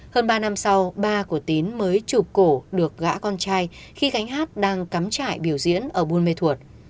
hơn ba năm sau ba cổ tín mới chụp cổ được gã con trai khi gánh hát đang cắm trại biểu diễn ở buôn mê thuột